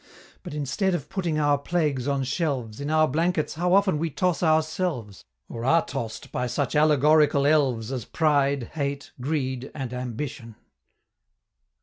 But instead of putting our plagues on shelves, In our blankets how often we toss ourselves, Or are toss'd by such allegorical elves As Pride, Hate, Greed, and Ambition!